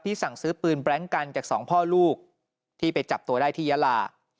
สั่งซื้อปืนแบล็งกันจากสองพ่อลูกที่ไปจับตัวได้ที่ยาลา